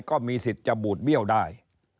ก็มีสิทธิ์จะบูดเบี้ยวได้